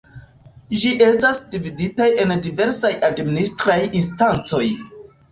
Ĝi estas dividitaj en diversaj administraj instancoj.